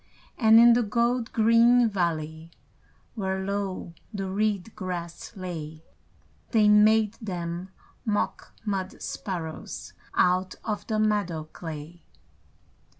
And in the gold green valley, Where low the reed grass lay, They made them mock mud sparrows Out of the meadow clay.